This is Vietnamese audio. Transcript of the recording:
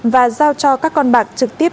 và giao cho các con bạc trực tiếp